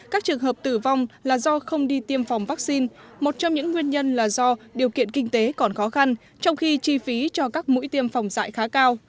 các trường hợp tử vong là do không đi tiêm phòng vaccine một trong những nguyên nhân là do điều kiện kinh tế còn khó khăn trong khi chi phí cho các mũi tiêm phòng dạy khá cao